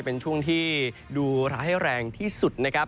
เป็นช่วงที่ดูร้ายแรงที่สุดนะครับ